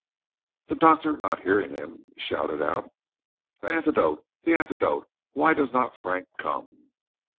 The Doctor, not hearing him, shouted out: "The antidote! the antidote! Why does not Frank come!"